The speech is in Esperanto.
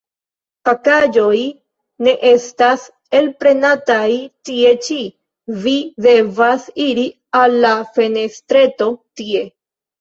Pakaĵoj ne estas alprenataj tie ĉi; vi devas iri al la fenestreto, tie.